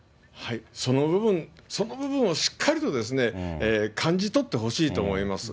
その部分、その部分をしっかりとですね、感じ取ってほしいと思います。